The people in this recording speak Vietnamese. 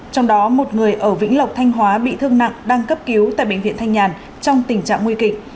trong đó một người ở vĩnh lộc thanh hóa bị thương nặng đang cấp cứu tại bệnh viện thanh nhàn trong tình trạng nguy kịch